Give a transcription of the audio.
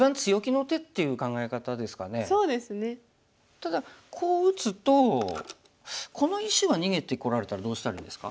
ただこう打つとこの石は逃げてこられたらどうしたらいいですか？